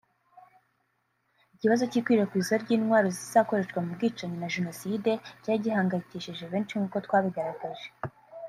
Ikibazo cy’ikwirakwizwa ry’intwaro zizakoreshwa mu bwicanyi na (Jenoside) cyari gihangayikishije benshi nkuko twabigaragaje